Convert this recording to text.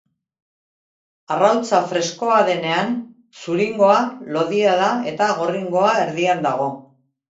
Arrautza freskoa denean, zuringoa lodia da eta gorringoa erdian dago.